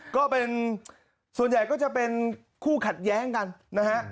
ก็เป็นส่วนใหญ่ก็จะเป็นคู่ขัดแย้งกันนะฮะ